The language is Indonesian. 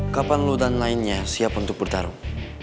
kapan lo dan lainnya siap untuk bertarung